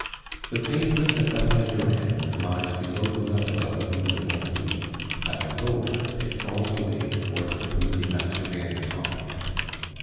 The pavement at the higher end lies below the level of the Rue de Bondy; at the lower it falls away towards the Rue des Mathurins du Temple.